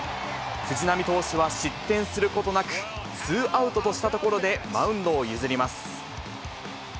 藤浪投手は失点することなく、ツーアウトとしたところで、マウンドを譲ります。